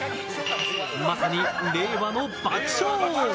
まさに令和の爆笑王。